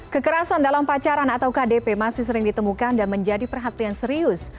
kekerasan dalam pacaran atau kdp masih sering ditemukan dan menjadi perhatian serius